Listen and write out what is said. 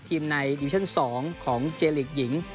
ในดิวิชั่น๒ของเจลีกหญิง